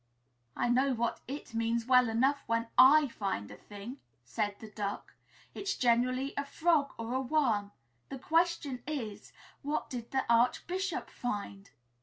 "I know what 'it' means well enough, when I find a thing," said the Duck; "it's generally a frog or a worm. The question is, what did the archbishop find?"